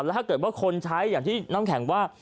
แล้วถ้าเกิดว่าคนใช้อย่างที่น้ำแข็งว่า